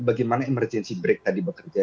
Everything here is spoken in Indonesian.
bagaimana emergency break tadi bekerja